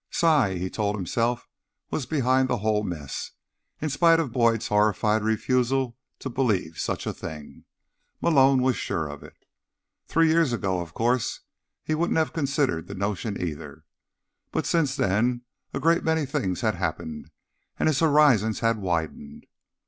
Psi, he told himself, was behind the whole mess. In spite of Boyd's horrified refusal to believe such a thing, Malone was sure of it. Three years ago, of course, he wouldn't have considered the notion either. But since then a great many things had happened, and his horizons had widened.